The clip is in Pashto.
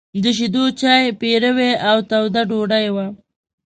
د شيدو چای، پيروی او توده ډوډۍ وه.